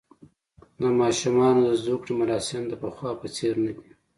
د ماشومانو د زوکړې مراسم د پخوا په څېر نه دي.